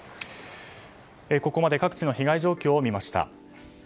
ここまで各地の被害状況を見ました。